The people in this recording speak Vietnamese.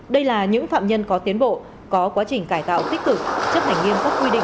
đây là những phạm nhân có tiến bộ có quá trình cải tạo tích cực chấp hành nghiêm các quy định